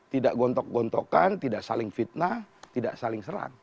tidak gontok gontokan tidak saling fitnah tidak saling serang